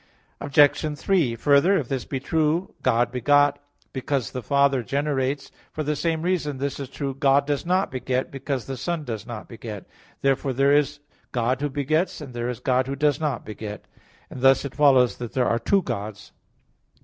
Obj. 3: Further, if this be true, "God begot," because the Father generates; for the same reason this is true, "God does not beget," because the Son does not beget. Therefore there is God who begets, and there is God who does not beget; and thus it follows that there are two Gods.